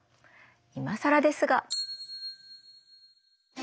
いまさらですが。